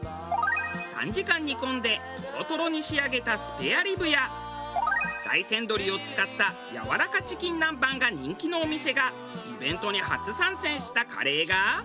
３時間煮込んでトロトロに仕上げたスペアリブや大山鶏を使ったやわらかチキン南蛮が人気のお店がイベントに初参戦したカレーが。